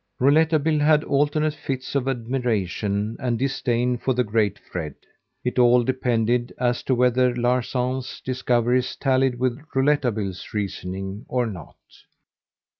Rouletabille had alternate fits of admiration and disdain for the great Fred. It all depended as to whether Larsan's discoveries tallied with Rouletabille's reasoning or not.